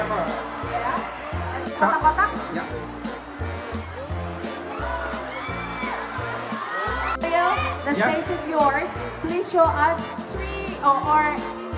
มันเป็นแบบที่สุดท้ายก็คือ